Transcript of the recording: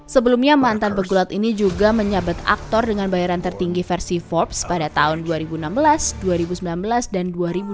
sebelumnya mantan pegulat ini juga menyabat aktor dengan bayaran tertinggi versi forbes pada tahun dua ribu enam belas dua ribu sembilan belas dan dua ribu dua puluh